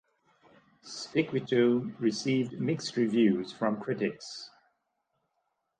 "Stickwitu" received mixed reviews from critics.